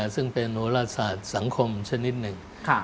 ซึ่งเป็นโรศาสตร์สังคมชนิดหนึ่ง